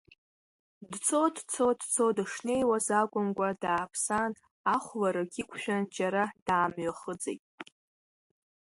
Дцо, дцо, дцо дышнеиуаз акәымкәа, дааԥсан, ахәларагь иқәшәан џьара даамҩахыҵит.